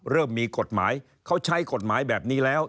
เริ่มมีกฎหมายเขาใช้กฎหมายแบบนี้แล้ว